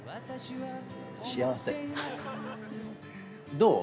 どう？